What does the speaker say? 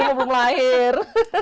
oh belum lahir